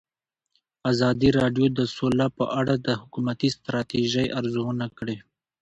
ازادي راډیو د سوله په اړه د حکومتي ستراتیژۍ ارزونه کړې.